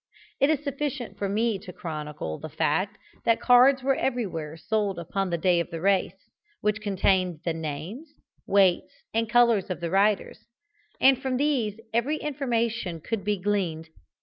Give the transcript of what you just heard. It is sufficient for me to chronicle the fact that cards were everywhere sold upon the day of the race, which contained the names, weights and colours of the riders, and from these every information could be gleaned.